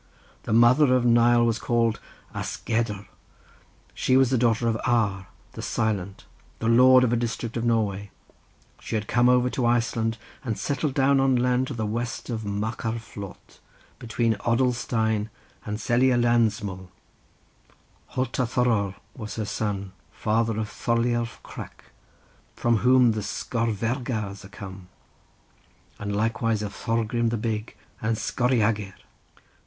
The mother of Nial was called Asgerdr; she was the daughter of Ar, the Silent, the Lord of a district in Norway. She had come over to Iceland and settled down on land to the west of Markarfliot, between Oldustein and Selialandsmul. Holtathorir was her son, father of Thorleif Krak, from whom the Skogverjars are come, and likewise of Thorgrim the big and Skorargeir.